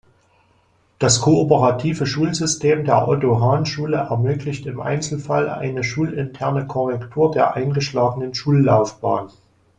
Das kooperative Schulsystem der Otto-Hahn-Schule ermöglicht im Einzelfall eine schulinterne Korrektur der eingeschlagenen Schullaufbahn.